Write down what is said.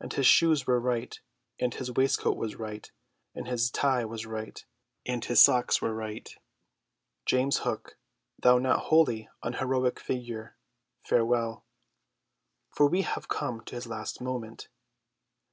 And his shoes were right, and his waistcoat was right, and his tie was right, and his socks were right. James Hook, thou not wholly unheroic figure, farewell. For we have come to his last moment.